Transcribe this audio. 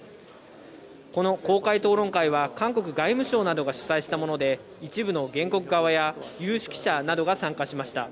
この公開討論会は韓国外務省などが主催したもので、一部の原告側や有識者などが参加しました。